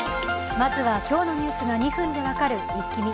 まずは今日のニュースが２分で分かるイッキ見。